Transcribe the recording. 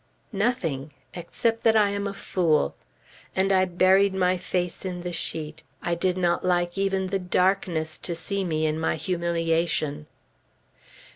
Nothing! except that I am a fool! and I buried my face in the sheet; I did not like even the darkness to see me in my humiliation.